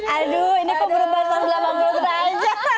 aduh ini kok berubah sampai delapan puluh an aja